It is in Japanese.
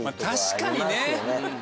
確かにね。